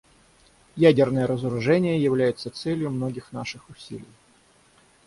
Ядерное разоружение является целью многих наших усилий.